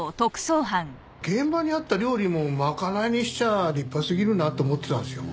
現場にあった料理も賄いにしちゃ立派すぎるなって思ってたんですよ。